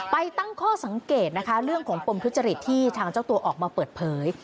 ตั้งข้อสังเกตนะคะเรื่องของปมทุจริตที่ทางเจ้าตัวออกมาเปิดเผย